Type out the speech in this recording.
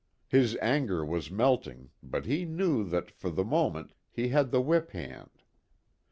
His anger was melting, but he knew that, for the moment, he had the whip hand.